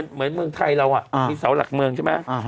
เมืองไทยเรามีเสาหลักเมืองใช่ไหม